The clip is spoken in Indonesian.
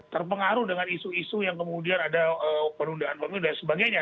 terpengaruh dengan isu isu yang kemudian ada penundaan pemilu dan sebagainya